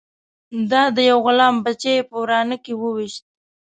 د ده یو غلام بچه یې په ورانه کې وويشت.